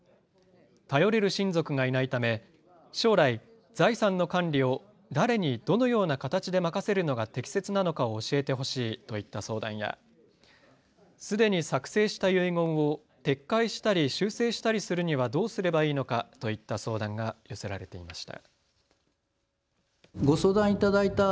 頼れる親族がいないため将来、財産の管理を誰にどのような形で任せるのが適切なのかを教えてほしいといった相談やすでに作成した遺言を撤回したり修正したりするにはどうすればいいのかといった相談が寄せられていました。